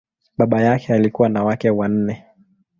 Baba yake alikuwa na wake wanne.